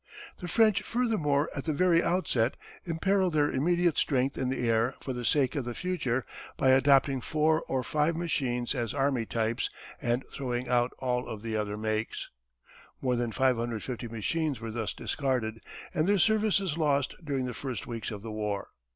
The French furthermore at the very outset imperilled their immediate strength in the air for the sake of the future by adopting four or five machines as army types and throwing out all of other makes. More than 550 machines were thus discarded, and their services lost during the first weeks of the war.